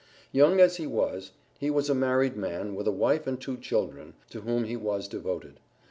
Young as he was, he was a married man, with a wife and two children, to whom he was devoted.